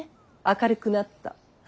明るくなった。